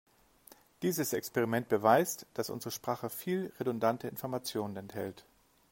Dieses Experiment beweist, dass unsere Sprache viel redundante Information enthält.